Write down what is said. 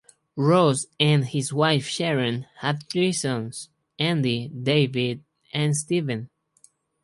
Ross and his wife, Sharon, have three sons: Andy, David, and Steven.